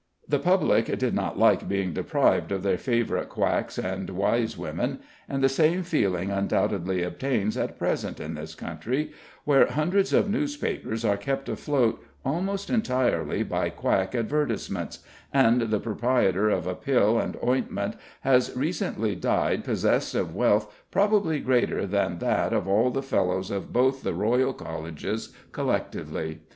The public did not like being deprived of their favourite quacks and wise women; and the same feeling undoubtedly obtains at present in this country, where hundreds of newspapers are kept afloat almost entirely by quack advertisements, and the proprietor of a pill and ointment has recently died possessed of wealth probably greater than that of all the Fellows of both the Royal Colleges collectively.